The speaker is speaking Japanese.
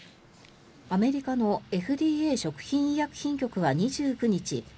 アメリカのＦＤＡ・食品医薬品局は２９日